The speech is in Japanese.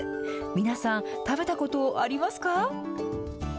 皆さん、食べたことありますか？